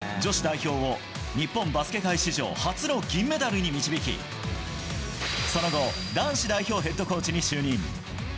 東京オリンピックで女子代表を日本バスケ界史上初の銀メダルに導き、その後、男子代表ヘッドコーチに就任。